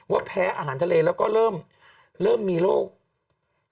ว่าแพ้อาหารทะเลแล้วก็เริ่มมีโรคต่อมา